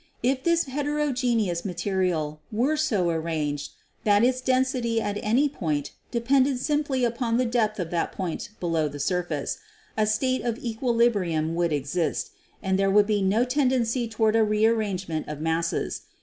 If this heterogeneous ma terial were so arranged that its density at any point de pended simply upon the depth of that point below the sur face, a state of equilibrium would exist, and there would be no tendency toward a rearrangement of masses.